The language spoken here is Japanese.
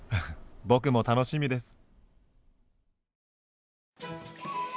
僕も楽しみです。